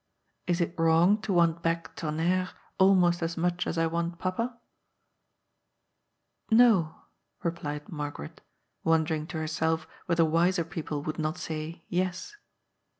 Is it wrong to want back Tonnerre almost as much as I want Papa ?"" No," replied Margaret, wondering to herself whether wiser people would not say " Yes."